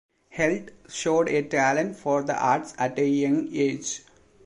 Held showed a talent for the arts at a young age.